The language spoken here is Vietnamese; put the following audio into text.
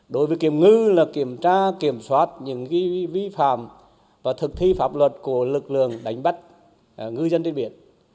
đối với kiểm ngư là kiểm tra kiểm soát những vi phạm và thực thi pháp luật của lực lượng đánh bắt ngư dân trên biển